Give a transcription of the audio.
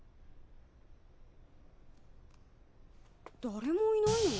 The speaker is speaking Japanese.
誰もいないの？